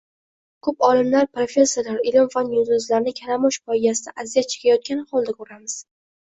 Ko’p olimlar, professorlar, ilm-fan yulduzlarini kalamush poygasida aziyat chekayotgan holda ko’ramiz